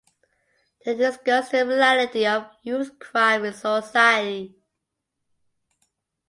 They discussed the reality of youth crime in society.